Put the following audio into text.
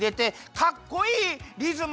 かっこいいリズム。